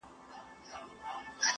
سپي به سمدستي ځغستل د هغه لور ته-